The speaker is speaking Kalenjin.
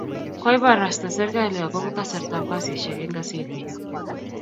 koibarasta serikalit akobo kasartab kasisiek eng' gaseti